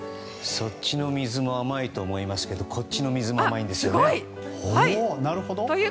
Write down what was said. そっちの水も甘いと思いますけどこっちの水も甘いんですよね。